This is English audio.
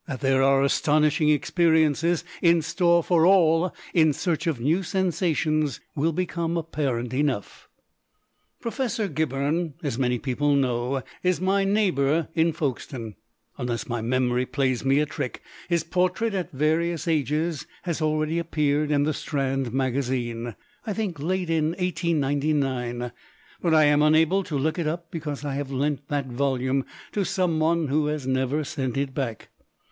That there are astonishing experiences in store for all in search of new sensations will become apparent enough. Professor Gibberne, as many people know, is my neighbour in Folkestone. Unless my memory plays me a trick, his portrait at various ages has already appeared in The Strand Magazine I think late in 1899; but I am unable to look it up because I have lent that volume to some one who has never sent it back.